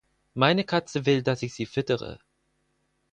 Meine Katze will, dass ich sie füttere.